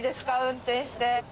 運転して。